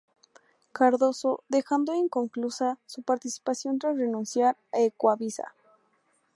Cardoso", dejando inconclusa su participación tras renunciar a Ecuavisa.